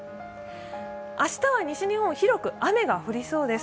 明日は西日本、広く雨が降りそうです。